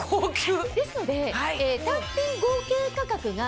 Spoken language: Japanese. ですので。